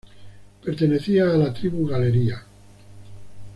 Pertenecía a la tribu Galeria.